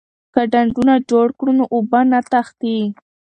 که ډنډونه جوړ کړو نو اوبه نه تښتي.